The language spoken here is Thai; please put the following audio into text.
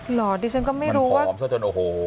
เหรอดิฉันก็ไม่รู้ผอมซะจนโอ้โห